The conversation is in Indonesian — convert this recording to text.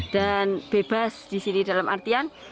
dan bebas di sini dalam artian